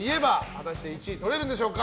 果たして１位とれるんでしょうか。